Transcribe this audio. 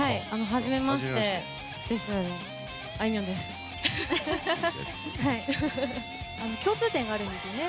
はじめましてですよね。